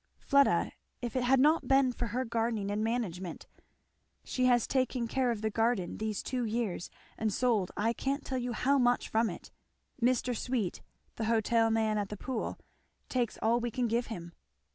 "Fleda if it had not been for her gardening and management. She has taken care of the garden these two years and sold I can't tell you how much from it. Mr. Sweet, the hotel man at the Pool, takes all we can give him."